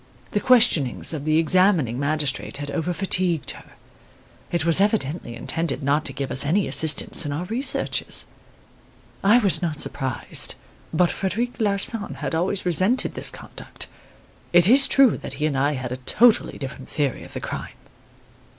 The questionings of the examining magistrate had over fatigued her. It was evidently intended not to give us any assistance in our researches. I was not surprised; but Frederic Larsan had always resented this conduct. It is true that he and I had a totally different theory of the crime.